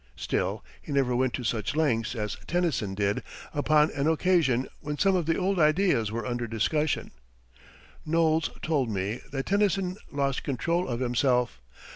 Still he never went to such lengths as Tennyson did upon an occasion when some of the old ideas were under discussion. Knowles told me that Tennyson lost control of himself.